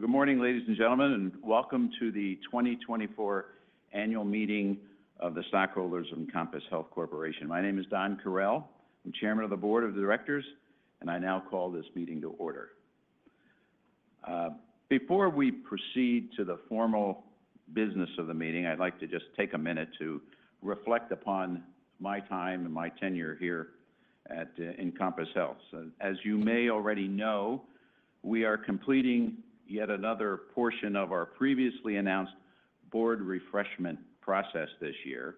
Good morning, ladies and gentlemen, and welcome to the 2024 Annual Meeting of the Stockholders of Encompass Health Corporation. My name is Don Correll. I'm Chairman of the Board of Directors, and I now call this meeting to order. Before we proceed to the formal business of the meeting, I'd like to just take a minute to reflect upon my time and my tenure here at Encompass Health. So as you may already know, we are completing yet another portion of our previously announced board refreshment process this year,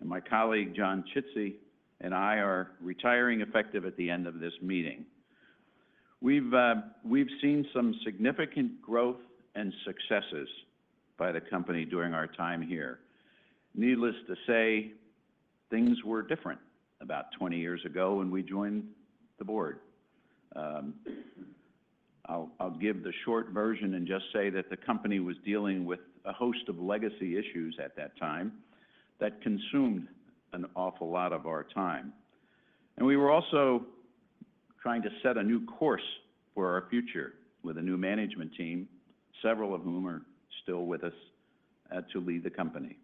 and my colleague, John Chidsey, and I are retiring effective at the end of this meeting. We've seen some significant growth and successes by the company during our time here. Needless to say, things were different about 20 years ago when we joined the board. I'll give the short version and just say that the company was dealing with a host of legacy issues at that time, that consumed an awful lot of our time. We were also trying to set a new course for our future with a new management team, several of whom are still with us, to lead the company.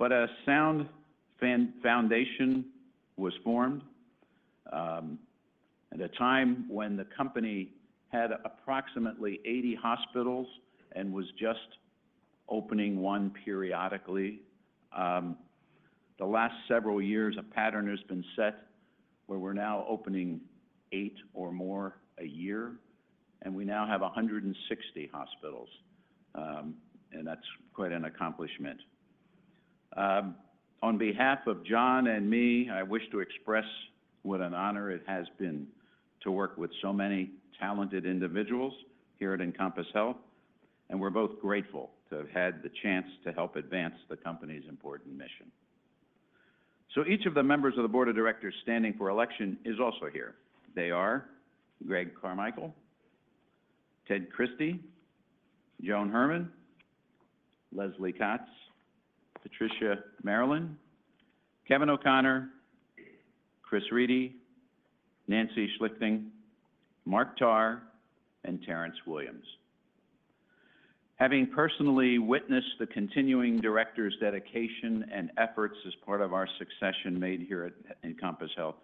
A sound foundation was formed at a time when the company had approximately 80 hospitals and was just opening one periodically. The last several years, a pattern has been set where we're now opening eight or more a year, and we now have 160 hospitals. That's quite an accomplishment. On behalf of John and me, I wish to express what an honor it has been to work with so many talented individuals here at Encompass Health, and we're both grateful to have had the chance to help advance the company's important mission. So each of the members of the board of directors standing for election is also here. They are Greg Carmichael, Ted Christie, Joan Herman, Leslye Katz, Patricia Maryland, Kevin O'Connor, Chris Reidy, Nancy Schlichting, Mark Tarr, and Terrance Williams. Having personally witnessed the continuing directors' dedication and efforts as part of our succession made here at Encompass Health,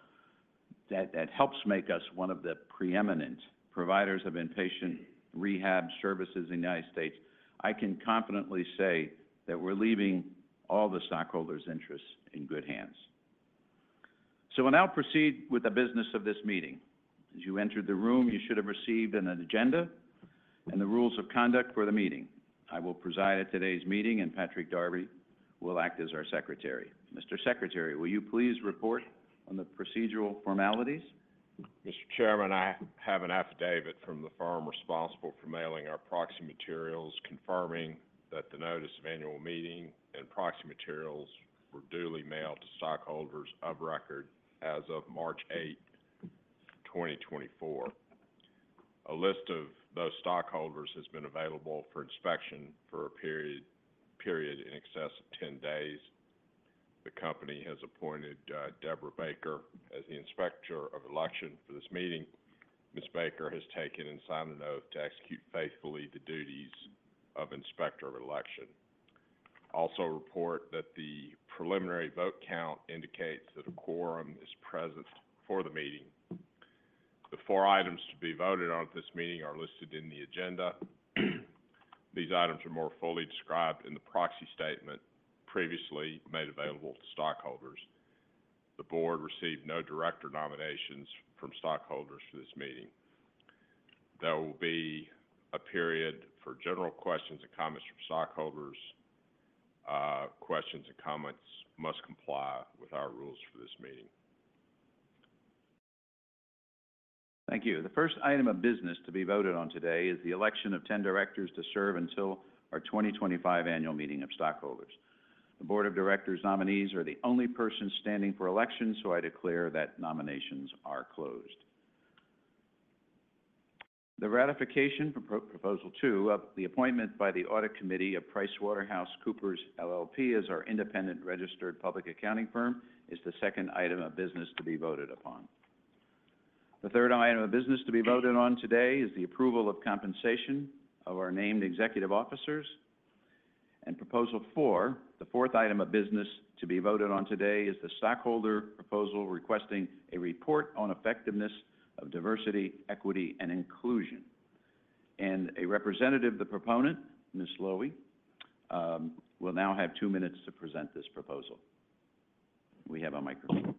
that helps make us one of the preeminent providers of inpatient rehab services in the United States, I can confidently say that we're leaving all the stockholders' interests in good hands. So we'll now proceed with the business of this meeting. As you entered the room, you should have received an agenda and the rules of conduct for the meeting. I will preside at today's meeting, and Patrick Darby will act as our secretary. Mr. Secretary, will you please report on the procedural formalities? Mr. Chairman, I have an affidavit from the firm responsible for mailing our proxy materials, confirming that the notice of annual meeting and proxy materials were duly mailed to stockholders of record as of March 8, 2024. A list of those stockholders has been available for inspection for a period in excess of 10 days. The company has appointed Deborah Baker as the Inspector of Election for this meeting. Ms. Baker has taken and signed an oath to execute faithfully the duties of Inspector of Election. I also report that the preliminary vote count indicates that a quorum is present for the meeting. The four items to be voted on at this meeting are listed in the agenda. These items are more fully described in the proxy statement previously made available to stockholders. The board received no director nominations from stockholders for this meeting. There will be a period for general questions and comments from stockholders. Questions and comments must comply with our rules for this meeting. Thank you. The first item of business to be voted on today is the election of 10 directors to serve until our 2025 annual meeting of stockholders. The board of directors' nominees are the only person standing for election, so I declare that nominations are closed. The ratification proposal 2 of the appointment by the Audit Committee of PricewaterhouseCoopers LLP as our independent registered public accounting firm is the second item of business to be voted upon. The third item of business to be voted on today is the approval of compensation of our named executive officers. Proposal 4, the fourth item of business to be voted on today, is the stockholder proposal requesting a report on effectiveness of diversity, equity, and inclusion. A representative of the proponent, Ms. Lowy, will now have 2 minutes to present this proposal. We have a microphone.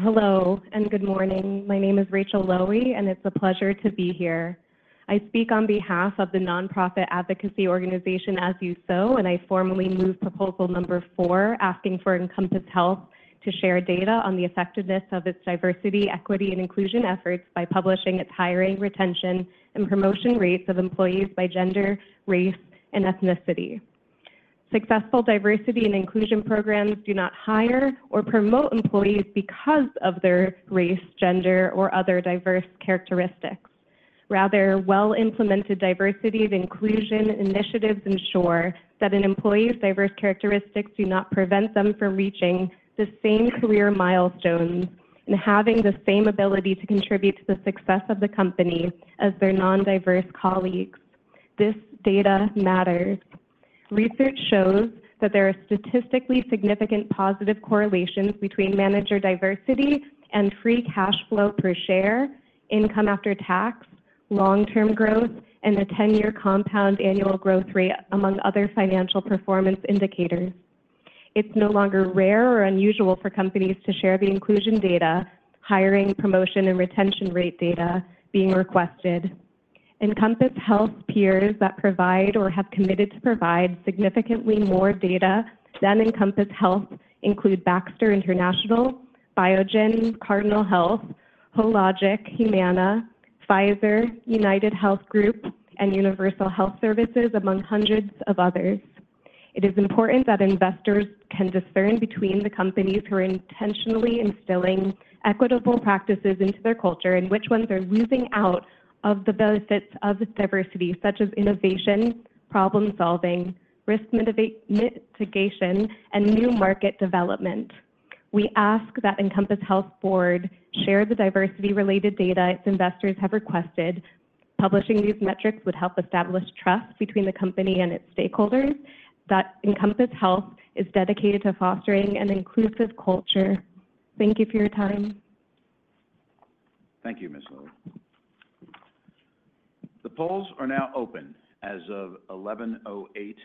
Hello, and good morning. My name is Rachel Lowy, and it's a pleasure to be here. I speak on behalf of the nonprofit advocacy organization, As You Sow, and I formally move proposal number four, asking for Encompass Health to share data on the effectiveness of its diversity, equity, and inclusion efforts by publishing its hiring, retention, and promotion rates of employees by gender, race, and ethnicity. Successful diversity and inclusion programs do not hire or promote employees because of their race, gender, or other diverse characteristics.... rather, well-implemented diversity and inclusion initiatives ensure that an employee's diverse characteristics do not prevent them from reaching the same career milestones and having the same ability to contribute to the success of the company as their non-diverse colleagues. This data matters. Research shows that there are statistically significant positive correlations between manager diversity and free cash flow per share, income after tax, long-term growth, and a ten-year compound annual growth rate, among other financial performance indicators. It's no longer rare or unusual for companies to share the inclusion data, hiring, promotion, and retention rate data being requested. Encompass Health peers that provide or have committed to provide significantly more data than Encompass Health include Baxter International, Biogen, Cardinal Health, Hologic, Humana, Pfizer, UnitedHealth Group, and Universal Health Services, among hundreds of others. It is important that investors can discern between the companies who are intentionally instilling equitable practices into their culture and which ones are losing out of the benefits of diversity, such as innovation, problem-solving, risk mitigation, and new market development. We ask that Encompass Health Board share the diversity-related data its investors have requested. Publishing these metrics would help establish trust between the company and its stakeholders that Encompass Health is dedicated to fostering an inclusive culture. Thank you for your time. Thank you, Ms. Lowy. The polls are now open as of 11:08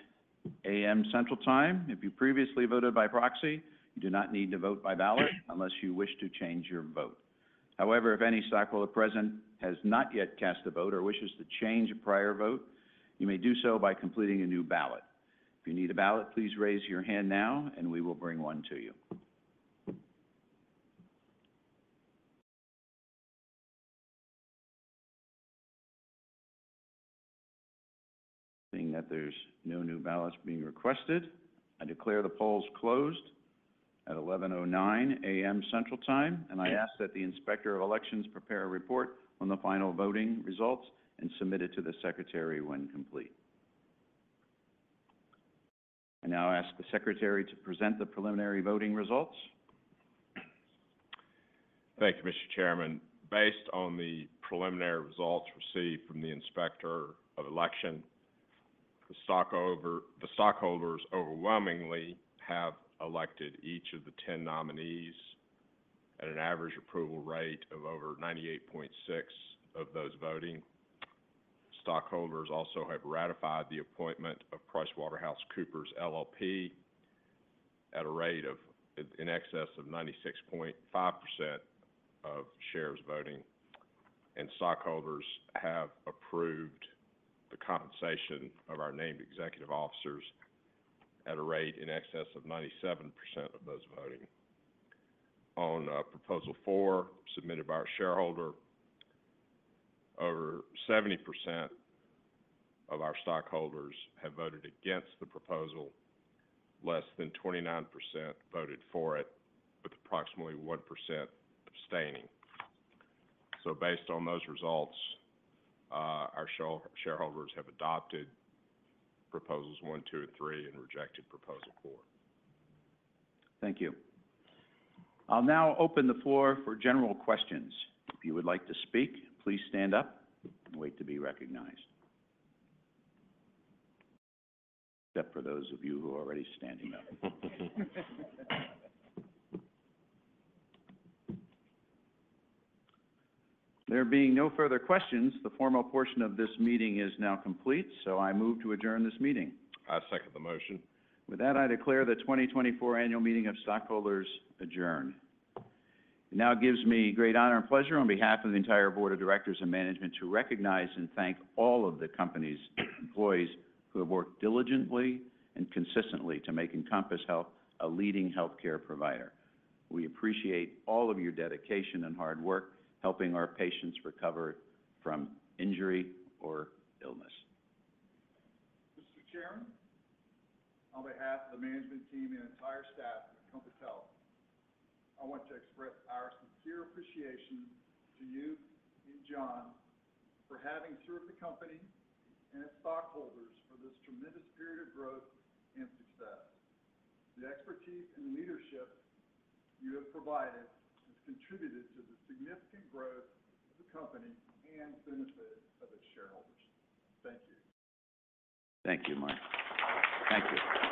A.M. Central Time. If you previously voted by proxy, you do not need to vote by ballot unless you wish to change your vote. However, if any stockholder present has not yet cast a vote or wishes to change a prior vote, you may do so by completing a new ballot. If you need a ballot, please raise your hand now and we will bring one to you. Seeing that there's no new ballots being requested, I declare the polls closed at 11:09 A.M. Central Time, and I ask that the Inspector of Elections prepare a report on the final voting results and submit it to the Secretary when complete. I now ask the Secretary to present the preliminary voting results. Thank you, Mr. Chairman. Based on the preliminary results received from the Inspector of Election, the stockholders overwhelmingly have elected each of the 10 nominees at an average approval rate of over 98.6% of those voting. Stockholders also have ratified the appointment of PricewaterhouseCoopers LLP at a rate of in excess of 96.5% of shares voting, and stockholders have approved the compensation of our named executive officers at a rate in excess of 97% of those voting. On proposal four, submitted by our shareholder, over 70% of our stockholders have voted against the proposal. Less than 29% voted for it, with approximately 1% abstaining. So based on those results, our shareholders have adopted proposals one, two, and three, and rejected proposal four. Thank you. I'll now open the floor for general questions. If you would like to speak, please stand up and wait to be recognized. Except for those of you who are already standing up. There being no further questions, the formal portion of this meeting is now complete, so I move to adjourn this meeting. I second the motion. With that, I declare the 2024 Annual Meeting of Stockholders adjourned. It now gives me great honor and pleasure, on behalf of the entire board of directors and management, to recognize and thank all of the company's employees who have worked diligently and consistently to make Encompass Health a leading healthcare provider. We appreciate all of your dedication and hard work, helping our patients recover from injury or illness. Mr. Chairman, on behalf of the management team and entire staff at Encompass Health, I want to express our sincere appreciation to you and John for having served the company and its stockholders for this tremendous period of growth and success. The expertise and leadership you have provided has contributed to the significant growth of the company and benefit of its shareholders. Thank you. Thank you, Mark. Thank you.